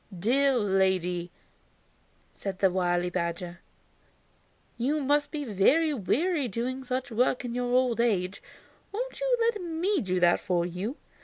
"Dear lady," said the wily badger, "you must be very weary doing such heavy work in your old age. Won't you let me do that for you?